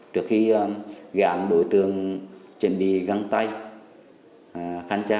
trước khi gãn đối tượng chuẩn bị găng tay khăn che mặt mụ